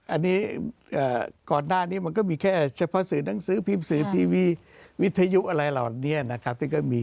อันนี้ก่อนหน้านี้มันก็มีแค่เฉพาะสื่อหนังสือพิมพ์สื่อทีวีวิทยุอะไรเหล่านี้นะครับ